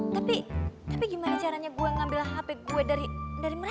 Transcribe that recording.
tapi gimana caranya gue ngambil hp gue dari mana